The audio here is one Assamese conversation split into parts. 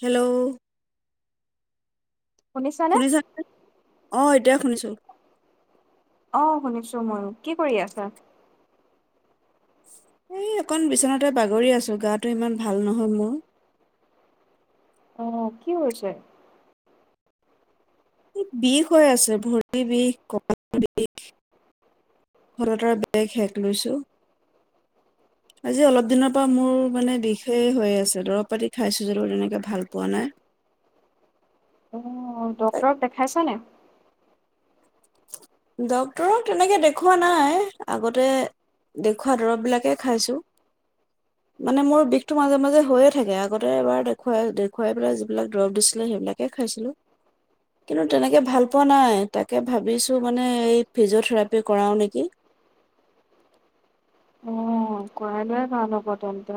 হেল্ল' শুনিছ নে? শুনিছা অ' এতিয়া শুনিছো। অ', শুনিছো ময়ো, কি কৰি আছা? এই অকন বিচনাতে বাগৰি আছো গাটো ইমান ভাল নহয় মোৰ। অ' কি হৈছে? বিষ হৈ আছে, ভৰিৰ বিষ, কাল বিষ। সলতাৰ বেগ শেষ লৈছো আজি অলপ দিনৰ পৰা মোৰ মানে বিষে হৈয়ে আছে, দৰৱ পাতি খাইছো যদিও তেনেকে ভাল পোৱা নাই। অ' ডক্তৰক দেখাইছা নে? ডক্তৰক তেনেকে দেখুওৱা নাই আগতে দেখুওৱা দৰব বিলাকে খাইছো, মানে মোৰ বিষটো মাজে মাজে হৈয়ে থাকে আগতে এবাৰ দেখুৱাই দেখুৱাই পেলাই যিবিলাক দৰব দিছিলে সেইবিলাকে খাইছিলো কিন্তু তেনেকে ভাল পোৱা নাই তাকে ভাবিছো মানে ফিজিঅথেৰেপি কৰাওঁ নেকি। অ' কৰাই ভাল হ'ব তেন্তে,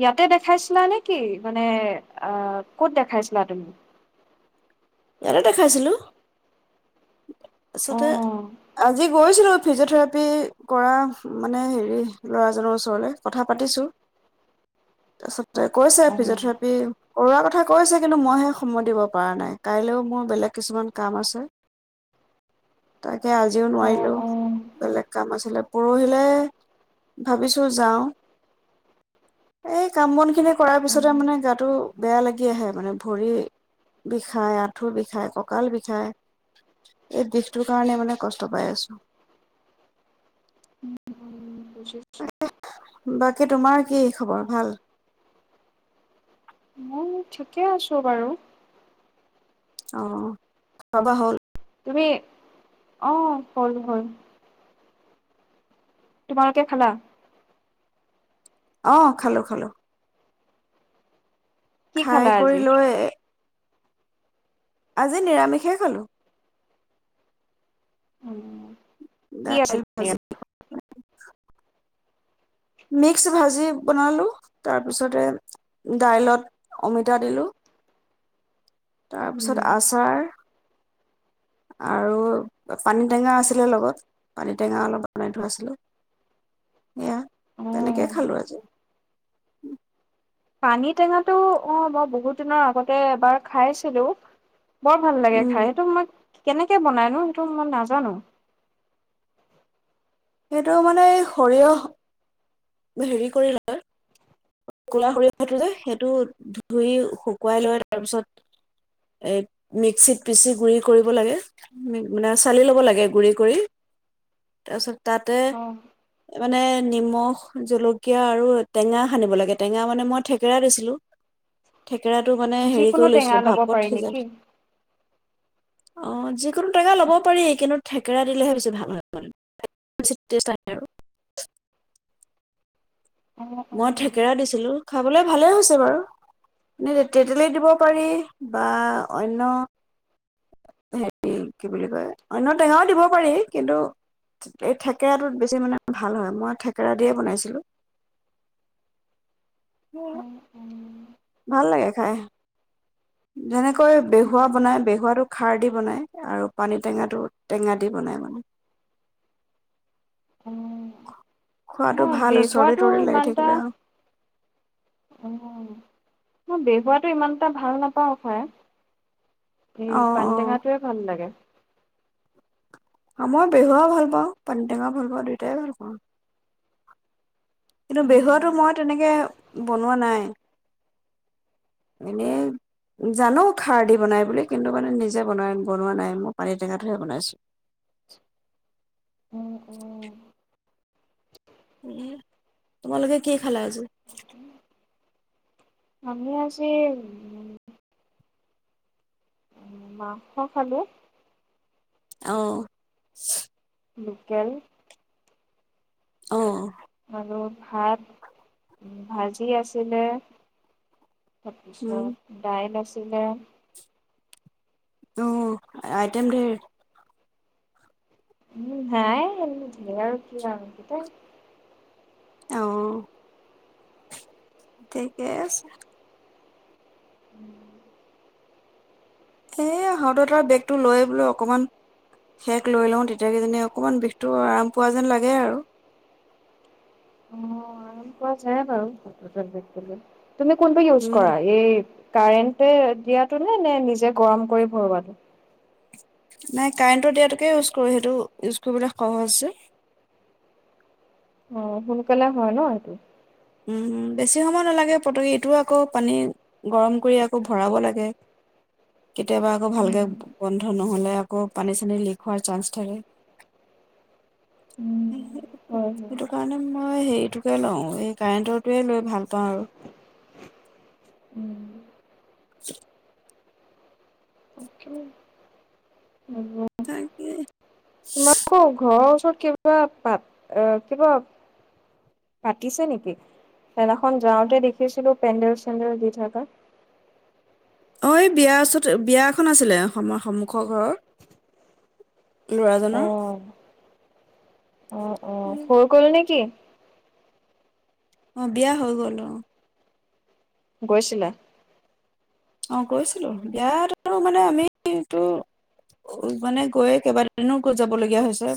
ইয়াতে দেখাইছিলা নে কি মানে আহ, ক'ত দেখাইছিলা তুমি? ইয়াতে দেখাইছিলো। তাৰছতে অ' আজি গৈছিলো ফিজিঅ'থেৰাপি কৰা মানে হেৰি ল'ৰাজনৰ ওচৰলে কথা পাতিছো তাৰপিছত তে কৈছে অ' ফিজিঅ'থেৰাপি কৰোৱা কথা। কৈছে কিন্তু মইহে সময় দিব পৰা নাই, কাইলেও মোৰ বেলেগ কিছুমান কাম আছে। তাক তাকে আজিও অ' নোৱাৰিলো, অ' বেলেগ কাম আছিলে। পৰহিলে ভাবিছো যাওঁ, এই কাম বন খিনি কৰাৰ অ'। পিছতে মানে গাটো বেয়া লাগি আহে মানে ভৰি বিষায়, আঠু বিষায়, কঁকাল বিষায়। এই বিষটোৰ কাৰণে মানে কষ্ট পাই আছো। [unintelligible] বাকী তোমাৰ কি খবৰ ভাল? মই ঠিকে আছো বাৰু। অ', খোৱা বোৱা হ'ল? তুমি অ', হ'ল, হ'ল। তোমালোকে খালা? অহ, খালো, খালো। কি খাই খালা আজি? কৰি লৈ আজি নিৰামিষে খালোঁ। উম। কি দাইল, আছিল নিৰা ভাজি। মিক্স ভাজি বনালোঁ, তাৰপিছতে দাইলত অমিতা দিলোঁ। তাৰপিছত উম, আচাৰ আৰু পানীটেঙা আছিলে লগত পানীটেঙা অলপ বনাই থোৱা আছিলে সেয়া তেনেকে অ'। খালো আজি। [unintelligible] পানী টেঙাটো অ', মই বহুত দিনৰ আগতে এবাৰ খাইছিলো। বৰ ভাল লাগে উম খাই সেইটো মই কেনেকে বনাইনো? সেইটো মই নাজানো। সেইটো মানে সৰিয়হ হেৰি কৰিলা? কোলা সৰিয়হটো যে সেইটো ধুই শুকুৱাই লৈ তাৰপিছত এই মিক্সিত পিচি গুৰি কৰিব লাগে মানে চালি ল'ব লাগে গুৰি কৰি তাৰপিছত তাতে মানে নিমখ, জলকীয়া আৰু টেঙা সানিব লাগে। টেঙা মানে মই থেকেৰা দিছিলো থে কেৰাটো মানে হেৰি যিকোনো কৰি টেঙা লৈছিলো ল'ব ভাপত পাৰি সিজাল নেকি অ', যে কোনো টেঙা ল'ব পাৰি কিন্তু থেকেৰা দিলেহে বেছি ভাল হয় মানে [unintelligible] আৰু। মই থেকেৰা দিছিলো। খাবলৈ ভালেই হৈছে বাৰু এ, তেতেলি দিব পাৰি বা অন্য হেৰি কি বুলি কয় অন্য টেঙাও দিব পাৰি কিন্তু এই থেকেৰাটোত বেছি মানে ভাল হয় মই থেকেৰা দিয়ে বনাইছিলোঁ। [inaudible] ভাল লাগে খাই যেনেকৈ বেহুৱা বনাই বেহুৱাটো খাৰ দি বনায় আৰু পানী টেঙাটো টেঙা দি বনায় মানে। উম, খোৱাটো মই ভাল চৰ্দি বপোৱাটো তৰ্দি লাগি ইমানটা থাকিলে আৰু। উম, মই বেহোৱাটো ইমানটা ভাল নাপাওঁ খায়। এ অ পানটেঙাতোয়ে ভাল লাগে। অ' মই বেহুৱাও ভাল পাওঁ, পানী টেঙাও ভাল পাওঁ, দুয়টাই ভাল পাওঁ। কিন্তু বেহুৱাতো মই তেনেকে বনোৱা নাই, এনেই জানো খাৰ দি বনাই বুলি কিন্তু মানে নিজে বনাই বনোৱা নাই, মই পানী টেঙাটোহে বনাইছোঁ। তোমালোকে কি খালা আজি? আমি আজি উ মাংস খালোঁ। অহ। লোকেল অ'। আৰু ভাত, ভাজি আছিলে। উম [unintelligible] দাইল আছে। আছিলে। অ' আইটেম ধেৰ। উম [unintelligible] আৰু কি আৰু অহ, ঠিকেই আছে। উম। এই হাতত আৰু বেগটো লৈ বোলো অকণমান সেক লৈ লওঁ তেতিয়া কিজানি অকণমান বিষটো আৰাম পোৱা যেন লাগে আৰু। কৰা যাই বাৰু [unintelligible] তুমি কোনটো ইউজ উম কৰা, এই কাৰেণ্টে দিয়াটো নে, নে নিজে গৰম কৰি ভৰোৱাটো? নাই কাৰেণ্টত দিয়াতোকে ইউজ কৰোঁ, সেইটো ইউজ কৰিবলৈ সহজ যে। অ' সোনকালে হয় ন, এইটো? উম, বেছি সময় নালাগে [unintelligible] এইটোও আকৌ পানী গৰম কৰি আকৌ ভৰাব লাগে। কেতিয়াবা আকৌ ভালকে উম বন নহ'লে আকৌ পানী ছানি লিক হোৱাৰ চান্স থাকে। উম হয় হয় সেইটো কাৰণে মই হে সেইটোকে লও কাৰেণ্টৰটোৱে লৈ ভাল পাওঁ আৰু উম [inaudible] তাকে তাকে। আকৌ ঘৰৰ ওচৰত কিবা [unintelligible] কিবা পাতিছে নেকি? সেইদিনাখন যাওঁতে দেখিছিলোঁ পেণ্ডেল-চেণ্ডেল দি থকা। অ' এই বিয়াৰ ওচৰত, বিয়া এখন আছিলে সন্মুখৰ ঘৰৰ। ল'ৰাজনৰ অ'। অ' অ' হয় গ'ল নেকি? অ' বিয়া হৈ গ'ল অ'। গৈছিলা? অ' গৈছিলোঁ, ইয়াত আৰু মানে আমিটো মানে গৈয়ে কেইবাদিনো যাবলগীয়া হৈছে,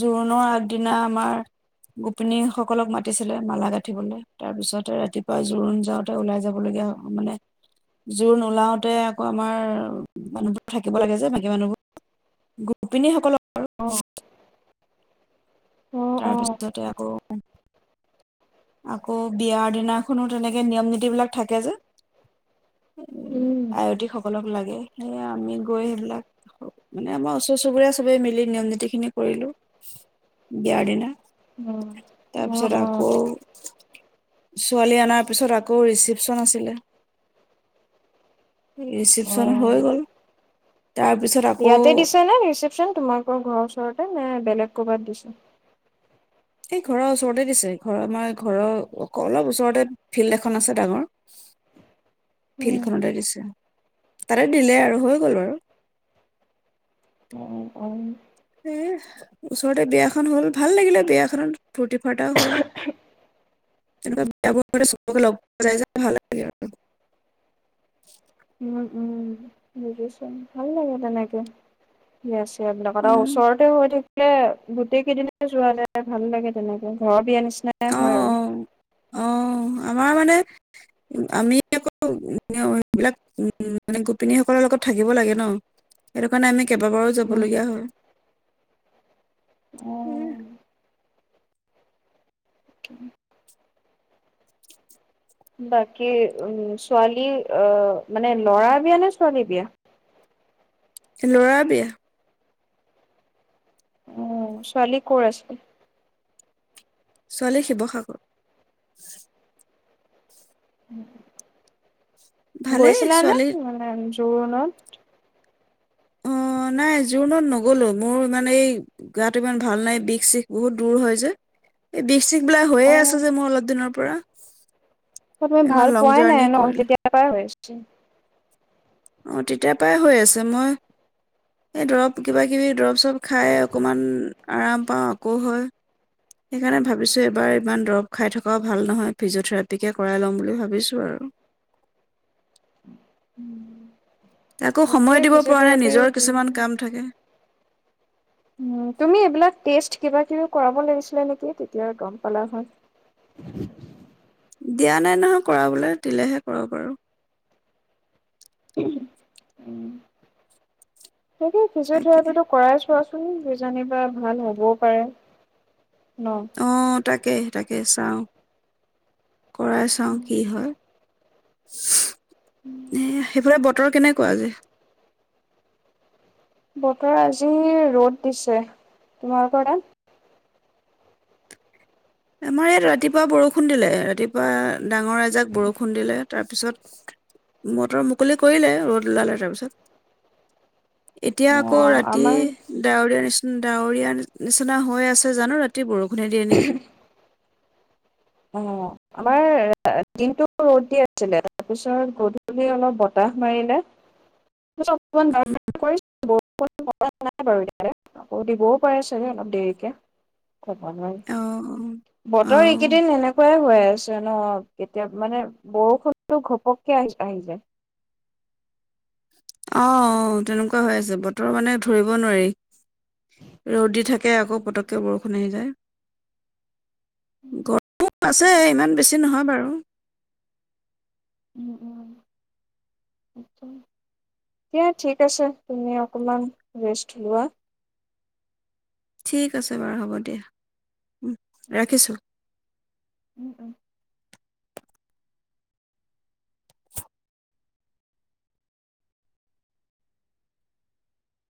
জোৰোণৰ আগদিনা আমাৰ গোপিনী সকলক মাতিছিলে মালা গাঁঠিবলৈ তাৰপিছতে ৰাতিপুৱা জোৰোণ যাওঁতে ওলাই যাবলগীয়া মানে জোৰ নোলাওতে আকৌ আমাৰ মানুহবোৰ থাকিব লাগে যে বাকী মানুহবোৰ গোপিনীসকলৰ অ', অ', তাৰপিছতে আকৌ আকৌ বিয়াৰ দিনাখনো তেনেকে নিয়ম-নীতি বিলাক থাকে যে, উম, আয়তী সকলক লাগে সেয়ে আমি গৈ সেইবিলাক মানে আমাৰ ওচৰ চুবুৰীয়া চবেই মিলি নিয়ম-নীতি খিনি কৰিলোঁ, বিয়াৰ দিনা অ', অ', তাৰপিছত অ', আকৌ ছোৱালী অনাৰ পিছত আকৌ ৰিচিপচন আছিলে, ৰিচিপচন অ', হৈ গ'ল। তাৰপিছত আকৌ ইয়াতে দিছেনে ৰিচিপশ্যন? তোমালোকৰ ঘৰ ওচ তেনে বেলেগ ক'ৰবাত দিছে? এই ঘৰৰ ওচৰতে দিছে, ঘৰৰ আমাৰ ঘৰৰ অক-অলপ ওচৰতে ফিল্ড এখন আছে ডাঙৰ, উম, ফিল্ডখনতে দিছে, তাতে দিলে আৰু হৈ গ'ল বাৰু। অ', অ', এই ওচৰতে বিয়াখন হ'ল, ভাল লাগিলে বিয়াখনত ফুৰ্তি ফাৰ্তা হ'ল, এনেকুৱা বিয়াবোৰ চবকে লগ পোৱা যায় যে, ভাল লাগে আৰু। উম, উম, বুজিছোঁ ভাল লাগে তেনেকে বিয়া সেইবিলাকত আৰু উম ওচৰতে হৈ থাকিলে গোটেই কেইদিনেই যোৱা হ'লে ভাল লাগে তেনেকে ঘৰৰ বিয়াৰ নিচি অ নাই হোৱা আৰু অ অ', আমাৰ মানে, আমি আকৌ সেইবিলাক গোপিনীসকলৰ লগত থাকিব লাগে ন? সেইটোকাৰণে আমি কেইবাবাৰো উম, যাবলগীয়া হয়। এইহ অ', উম। বাকী উম, ছোৱালী অ' মানে ল'ৰা বিয়া নে ছোৱালী বিয়া? ল'ৰাৰ বিয়া। অ' ছোৱালী ক'ৰ আছে? ছোৱালী শিৱসাগৰ। উম। ভালেই গৈছিলা নে? ছোৱালী জোৰোণত অ' নাই, জোৰোণত ন'গলো, মোৰ মানে এই গাটো ইমান ভাল নাই বিষ চিষ বহুত দূৰ হয় যে এই বিষ চিষ বোলে হৈয়ে আছে যে মোৰ অলপ দিনৰ পৰা। অ' তুমি ইমান ভাল লং পোৱাই নাই জাৰ্ণি ন কৰিলো তেতিয়া পৰাই হৈ আছে। উম। অহ' তেতিয়াৰ পৰাই হৈ আছে, মই সেই দৰৱ, কিবাকিবি দৰৱ চৰব খাই অকণমান আৰাম পাওঁ, আকৌ হয়, সেইকাৰণে ভাবিছোঁ, এবাৰ ইমান দৰৱ খাই থকাও ভাল নহয়, ফিজিঅ'থেৰাপিকে কৰাই ল'ম বুলি ভাবিছোঁ আৰু উম। কাকো সময় দিব পৰা নাই, নিজৰ কিছুমান কাম থাকে। উম, তুমি এইবিলাক টেষ্ট কিবাকিবি কৰাব লাগিছিলে নেকি, তেতিয়া গ'ম পালা হয়। দিয়া নাই নহয় কৰাবলৈ, দিলেহে কৰাব পাৰোঁ। উম। সেইে তাকে ফিজিঅ'থেৰাপীটো কৰাই চোৱাচোন। উম, কিজানিবা ভাল হ'বও পাৰে। ন। অহ' তাকেহে তাকে তাকে চাওঁ। কৰাই চাওঁ কি হয়? [unintelligible] এহ সেইফালে বতৰ কেনেকুৱা কোৰা যায়। বতৰ আজি ৰ'দ দিছে তোমালোকৰ তাত? আমাৰ ইয়াত ৰাতিপুৱা বৰষুণ দিলে ৰাতিপুৱা ডাঙৰ এজাক বৰষুণ দিলে। তাৰপিছত বতৰ মুকলি কৰিলে ৰ'দ ওলালে তাৰপিছত এতিয়া আকৌ অ' ৰাতি আমাৰ ডাৱৰীয়া নিচনা, ডাৱৰীয়া নিচিনা হৈ আছে জানো ৰাতি বৰষুণে, মগু ডালি এনেকে অ' আমাৰ দিনটো ৰদ দি আছিলে তাৰপিছত গধূলি অলপ বতাহ মাৰিলে, [unintelligible] বৰষুণ ধৰা নাই বাৰু এতিয়া আকৌ দিবও পাৰে চাগে অলপ দেৰিকে ক'ব নোৱাৰি অ', বতৰ এই অ', এনেকুৱাই হৈ আছে ন কেতিয়া মানে বৰষুণটো ঘপককে আহি আহি যায় অ তেনেকুৱা হৈ আছে বতৰ মানে ধৰিব নোৱাৰি ৰদ দি থাকে, থাকে আকৌ উম, পতককে বৰষুণ আহি যায়। গৰমো আছে ইমান বেছি নহয় বাৰু দিয়া ঠিক আছে তুমি অকমান ৰেষ্ট লোৱা। ঠিক আছে বাৰু হ'ব দিয়া। উম ৰাখিছো। উম উম!